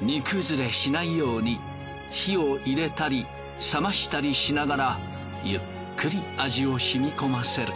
煮崩れしないように火を入れたり冷ましたりしながらゆっくり味をしみ込ませる。